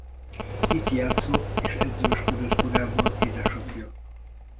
Itt játszott és edzősködött korábban édesapja.